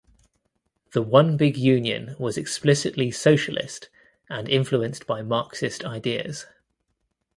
The One Big Union was explicitly socialist and influenced by Marxist ideas.